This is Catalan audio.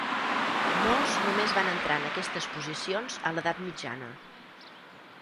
Molts només van entrar en aquestes posicions a l'Edat Mitjana.